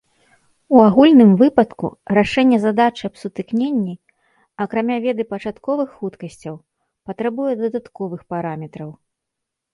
У агульным выпадку рашэнне задачы аб сутыкненні акрамя веды пачатковых хуткасцяў патрабуе дадатковых параметраў.